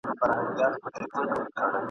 بې ګناه د انتقام په اور کي سوځي ..